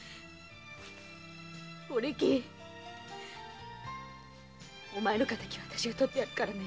お力お前の敵はあたしがとってやるからね！